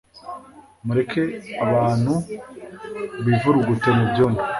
mureke abantu bivurugute mubyondo